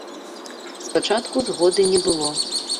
Спачатку згоды не было.